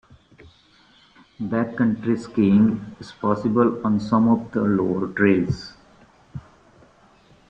Backcountry skiing is possible on some of the lower trails.